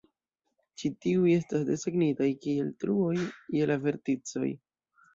Ĉi tiuj estas desegnitaj kiel "truoj" je la verticoj.